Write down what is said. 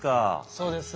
そうです。